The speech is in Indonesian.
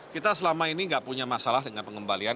kita selama ini tidak punya masalah dengan pengembalian